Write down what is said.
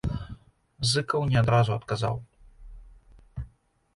Зыкаў не адразу адказаў.